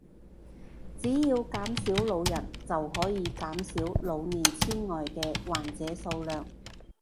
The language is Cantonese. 只要減少老人就可以減少老年癡呆嘅患者數量